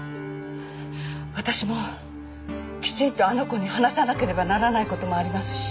私もきちんとあの子に話さなければならないこともありますし。